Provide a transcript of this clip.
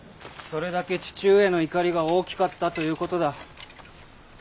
それだけ父上の怒りが大きかったということだ。